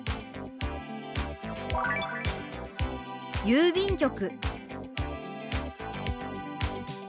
「郵便局」。